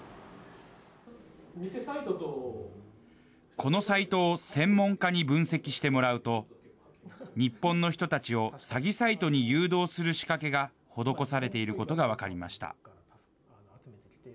このサイトを専門家に分析してもらうと、日本の人たちを詐欺サイトに誘導する仕掛けが施されていることが分かりました。